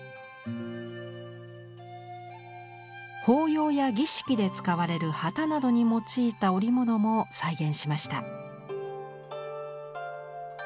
法要や儀式で使われる旗などに用いた織物も再現しました。